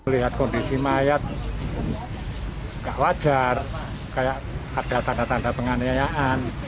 lihat kondisi mayat nggak wajar kayak ada tanda tanda penganiayaan